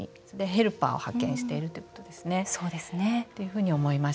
ヘルパーを派遣しているということですね。